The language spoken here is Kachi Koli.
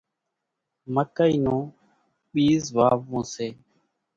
مڪئِي نون ٻيز واوون سي۔